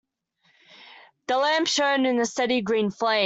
The lamp shone with a steady green flame.